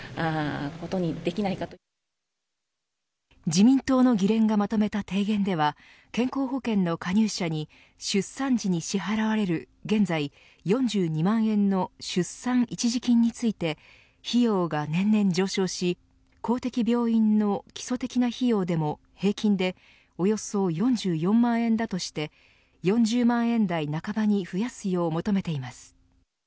自民党の議連がまとめた提言では健康保険の加入者に出産時に支払われる現在４２万円の出産一時金について費用が年々上昇し公的病院の基礎的な費用でも平均でおよそ４４万円だとして４０万円台半ばに増やすよう求めています。